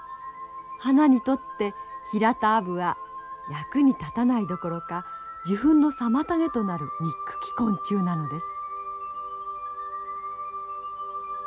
花にとってヒラタアブは役に立たないどころか受粉の妨げとなるにっくき昆虫なのです。